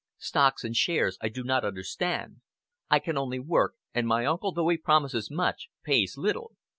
Stocks and shares I do not understand. I can only work; and my uncle, though he promises much, pays little."